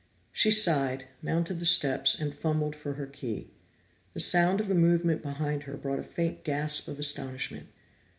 She sighed, mounted the steps, and fumbled for her key. The sound of a movement behind her brought a faint gasp of astonishment.